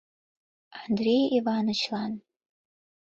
Андрей Иванычлан.